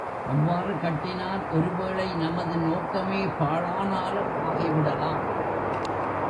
அவ்வாறு கட்டினால் ஒருவேளை நமது நோக்கமே பாழானாலும் ஆகிவிடலாம்.